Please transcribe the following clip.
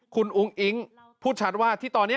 คุณอุ้งอิ๊งพูดชัดว่าที่ตอนนี้